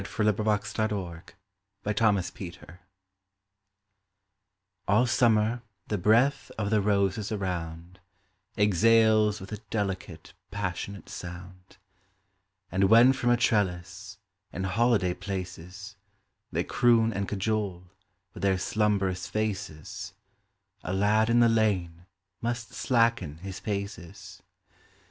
The Japanese Anemone ALL summer the breath of the roses around Exhales with a delicate, passionate sound; And when from a trellis, in holiday places, They croon and cajole, with their slumberous faces, A lad in the lane must slacken his paces.